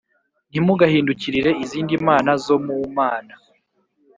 Ntimugahindukirire izindi mana zo mu mana